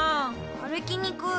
歩きにくい。